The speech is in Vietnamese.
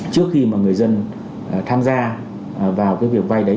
trước khi mà người dân tham gia vào cái việc vay đấy